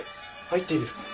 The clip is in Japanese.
入っていいですか？